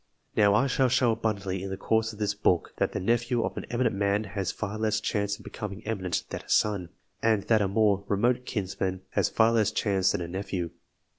Now, I shall show abundantly in the course of this book, that the nephew of an eminent man has far less chance of becoming eminent than a son, and that a more remote kinsman has far less chance than a nephew.